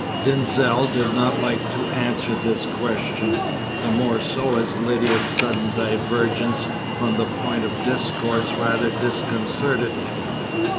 Denzil did not like to answer this question, the more so as Lydia's sudden divergence from the point of discourse rather disconcerted him.